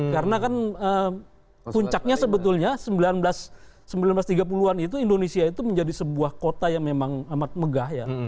karena kan puncaknya sebetulnya seribu sembilan ratus tiga puluh an itu indonesia itu menjadi sebuah kota yang memang amat megah ya